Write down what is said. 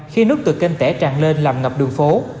khi nước từ kênh tẻ tràn lên làm ngập đường phố